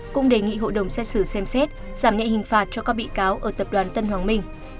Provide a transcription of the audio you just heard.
cũng đề nghị hội đồng xét xử xem xét giảm nhẹ hình phạt cho các bị cáo ở tập đoàn tân hoàng minh